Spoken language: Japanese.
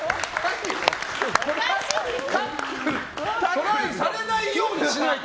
トライされないようにしないと！